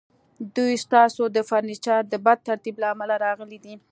دوی ستاسو د فرنیچر د بد ترتیب له امله راغلي دي